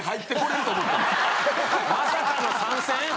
まさかの参戦？